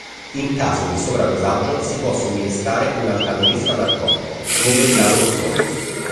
In caso di sovradosaggio, si può somministrare un antagonista narcotico, come il naloxone.